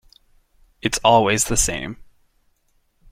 It’s always the same.